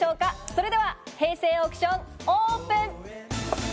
それでは平成オークション、オープン！